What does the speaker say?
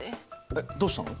えっどうしたの？